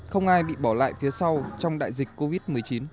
không ai bị bỏ lại phía sau trong đại dịch covid một mươi chín